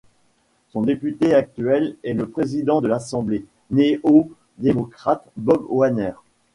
Son député actuel est le président de l'Assemblée, néo-démocrate Bob Wanner.